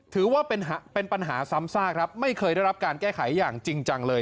ถือว่าเป็นปัญหาซ้ำซากครับไม่เคยได้รับการแก้ไขอย่างจริงจังเลย